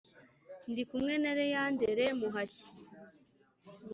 Ndi kumwe na Liyanderi Muhashyi.